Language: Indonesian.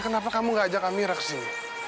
kenapa kamu gak ajak amirah ke sini